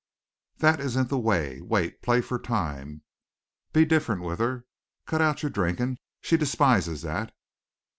"That isn't the way. Wait. Play for time. Be different with her. Cut out your drinking. She despises that.